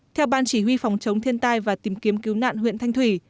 theo ban chỉ huy phòng chống thiên tai và tìm kiếm cứu nạn huyện thanh thủy